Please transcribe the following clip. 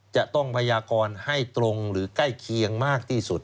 จะต้องพยากรให้ตรงหรือใกล้เคียงมากที่สุด